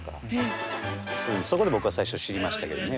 そこで僕は最初知りましたけどね。